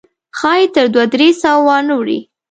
ښایي تر دوه درې سوه وانه وړي.